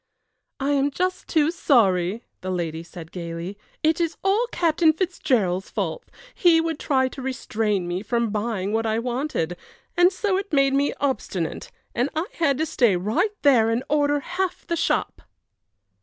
"I am just too sorry," the lady said, gayly. "It is all Captain Fitzgerald's fault he would try to restrain me from buying what I wanted, and so it made me obstinate and I had to stay right there and order half the shop."